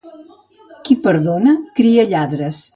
Qui perdona cria lladres.